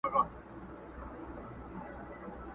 له کلونو ناپوهی یې زړه اره سو!.